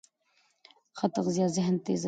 ښه تغذیه ذهن تېزوي.